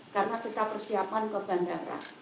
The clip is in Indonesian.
karena kita persiapan ke bandara